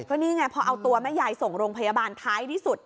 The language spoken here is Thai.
ก็นี่ไงพอเอาตัวแม่ยายส่งโรงพยาบาลท้ายที่สุด